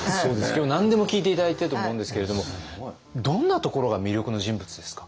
今日何でも聞いて頂きたいと思うんですけれどもどんなところが魅力の人物ですか？